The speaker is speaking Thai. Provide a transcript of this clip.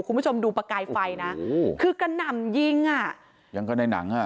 คุณผู้ชมดูประกายไฟนะโอ้โหคือกระหน่ำยิงอ่ะยังก็ในหนังอ่ะ